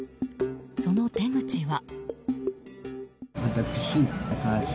その手口は。